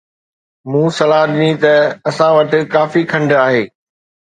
مون صلاح ڏني ته اسان وٽ ڪافي کنڊ آهي